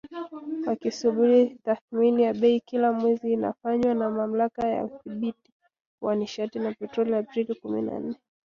Wakisubiri tathmini ya bei kila mwezi inayofanywa na Mamlaka ya Udhibiti wa Nishati na Petroli Aprili kumi na nne